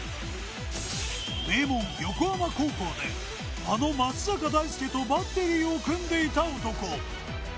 名門・横浜高校であの松坂大輔とバッテリーを組んでいた男。